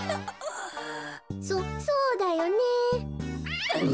「そそうだよね」。